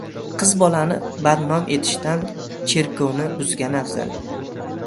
• Qiz bolani badnom etishdan cherkovni buzgan afzal.